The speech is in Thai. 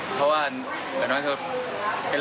เพราะว่าเวียดน้อยเวียดเวียดเวียดเวียดเวียดเวียดเวียด